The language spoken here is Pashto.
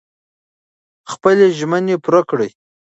خپلې ژمنې پوره کړئ.